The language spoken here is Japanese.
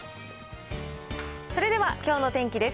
それではきょうの天気です。